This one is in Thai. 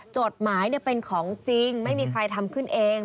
จดหมายเป็นของจริงไม่มีใครทำขึ้นเอง